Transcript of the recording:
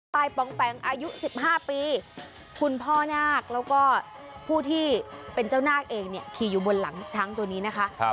ปองแปงอายุ๑๕ปีคุณพ่อนาคแล้วก็ผู้ที่เป็นเจ้านาคเองเนี่ยขี่อยู่บนหลังช้างตัวนี้นะคะ